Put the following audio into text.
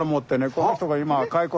この人が今。